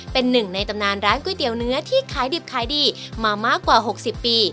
เป็นหนึ่งในตำนานร้านก๋วยเตี๋ยวเนื้อที่ขายดิบขายดีมามากกว่า๖๐ปี